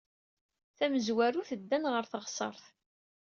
Tamezwarut, ddan ɣer teɣsert.